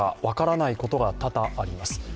分からないことが多々あります。